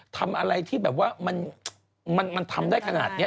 ทำอะไรที่แบบว่ามันทำได้ขนาดนี้